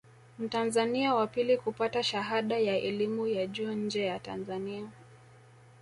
Mtanzania wa pili kupata shahada ya elimu ya juu nje ya Tanzania